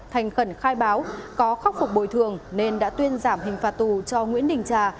thành khẩn khai báo có khắc phục bồi thường nên đã tuyên giảm hình phạt tù cho nguyễn đình trà